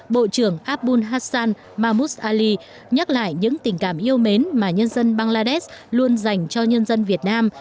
bộ trưởng abul hassan mahmus ali nhắc lại những tình cảm yêu mến mà nhân dân bangladesh luôn dành cho nhân dân việt nam